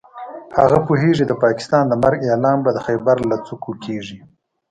هغه پوهېږي د پاکستان د مرګ اعلان به د خېبر له څوکو کېږي.